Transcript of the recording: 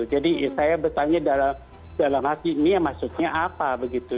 jadi saya bertanya dalam hati ini maksudnya apa begitu